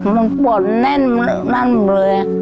มันปวดแน่นมันมึกมันมึกเลย